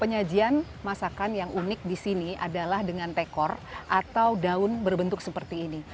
penyajian masakan yang unik di sini adalah dengan tekor atau daun berbentuk seperti ini